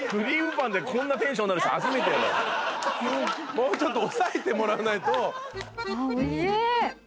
もうちょっと抑えてもらわないと。